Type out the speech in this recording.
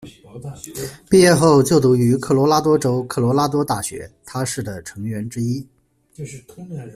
毕业后就读于科罗拉多州科罗拉多大学，他是的成员之一。